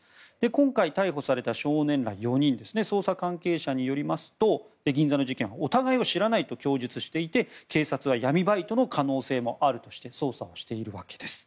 今回逮捕された少年ら４人は捜査関係者によりますと銀座の事件はお互いを知らないと供述していて警察は闇バイトの可能性もあるとして捜査をしているわけです。